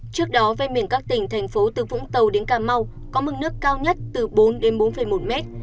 trước đó ven biển các tỉnh thành phố từ vũng tàu đến cà mau có mức nước cao nhất từ bốn đến bốn một mét